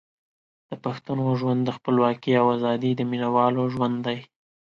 د پښتنو ژوند د خپلواکۍ او ازادۍ د مینوالو ژوند دی.